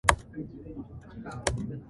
His consort is Kamakshi Amman.